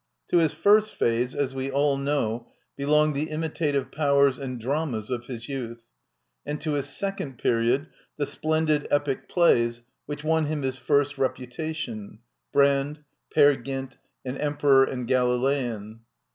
To his first Jjhage^ as we all know, belqpj;^ Ae .imitativfe lpdeffis and dramas, of hjs.^yQutL.^^ second period the splendid epic plays which won him his first rep utation — '^"BrandT nPeer"Gynt''^and " Emperor I and Galilean."